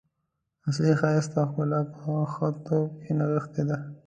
اصلي ښایست او ښکلا په ښه توب کې نغښتې ده.